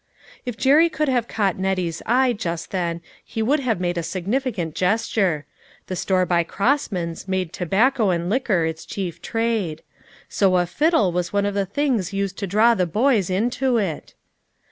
If Jerry could have caught Nettie's eye just then he would have made a significant gesture ; the store by Grossman's made tobacco and A SATISFACTORY EVENING. 325 liquor its chief trade. So a fiddle was one of the things used to draw the boys into it